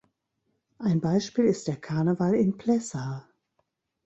Ein Beispiel ist der Karneval in Plessa.